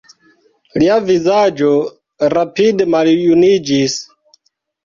Lia vizaĝo rapide maljuniĝis.